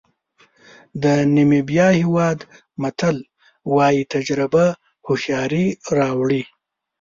د نیمبیا هېواد متل وایي تجربه هوښیاري راوړي.